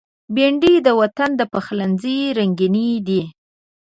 بېنډۍ د وطن د پخلنځي رنگیني ده